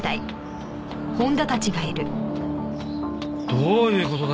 どういう事だ？